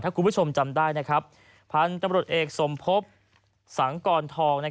ถ้าคุณผู้ชมจำได้นะครับพันธุ์ตำรวจเอกสมภพสังกรทอง